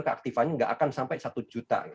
keaktifannya nggak akan sampai satu juta